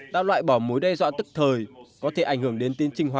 đã loại bỏ mối đe dọa tức thời có thể ảnh hưởng đến tình trạng đối đầu